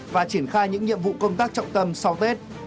và triển khai những nhiệm vụ công tác trọng tâm sau tết